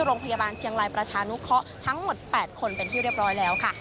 โรงพยาบาลเชียงรายประชานุเคราะห์ทั้งหมด๘คนเป็นที่เรียบร้อยแล้วค่ะ